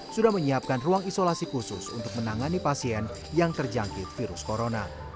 sudah menyiapkan ruang isolasi khusus untuk menangani pasien yang terjangkit virus corona